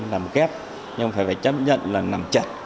nằm kép nhưng phải chấp nhận là nằm chặt